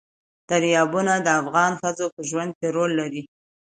دریابونه د افغان ښځو په ژوند کې رول لري.